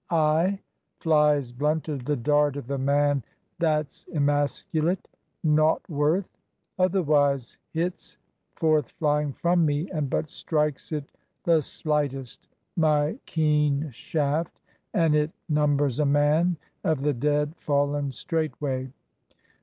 Aye flies blunted the dart of the man that's emasculate, noughtworth! Otherwise hits, forth flying from me, and but strikes it the slightest, My keen shaft, and it numbers a man of the dead fallen straightway.